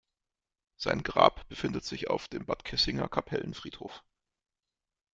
Sein Grab befindet sich auf dem Bad Kissinger "Kapellenfriedhof".